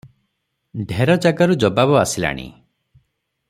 ଢେର ଜାଗାରୁ ଜବାବ ଆସିଲାଣି ।